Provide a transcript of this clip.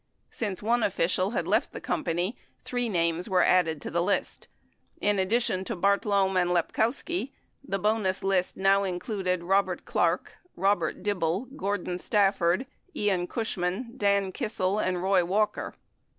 Since one official had left the company three names were added to the list. In addition to Bart lome and Lepkowski, the bonus list now included Robert Clark, Robert Dibble, Gordon Stafford, Ian Cushman, Dan Kissel, and Roy Walker.